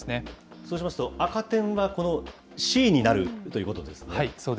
そうしますと、赤点は、このＣになるということですね。